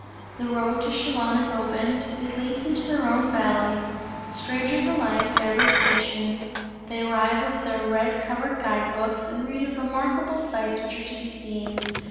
The railroad to Chillon is opened; it leads into the Rhone valley; strangers alight at every station; they arrive with their red covered guide books and read of remarkable sights which are to be seen.